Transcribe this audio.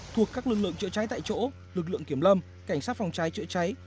thuộc các lực lượng chữa cháy tại chỗ lực lượng kiểm lâm cảnh sát phòng cháy chữa cháy